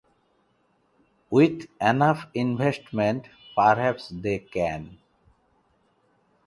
With enough investment perhaps they can.